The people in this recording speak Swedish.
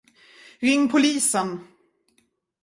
Ring polisen!